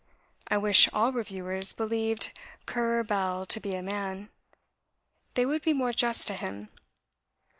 I wish all reviewers believed 'Currer Bell' to be a man; they would be more just to him.